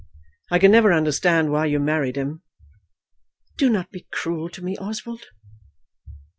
"I could never understand why you married him." "Do not be cruel to me, Oswald."